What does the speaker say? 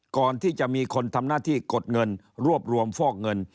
ก่อนที่จะมีคนทำหน้าที่กดเงินรวบรวมฟอกเงิน